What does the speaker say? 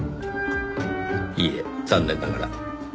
いいえ残念ながら。